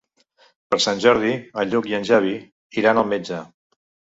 Per Sant Jordi en Lluc i en Xavi iran al metge.